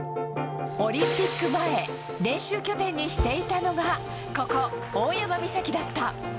オリンピック前、練習拠点にしていたのがここ、大山岬だった。